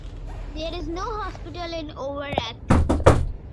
There is no hospital in Overath.